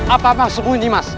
apa apa sembunyi mas